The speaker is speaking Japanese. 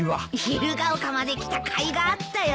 ひるが丘まで来たかいがあったよ。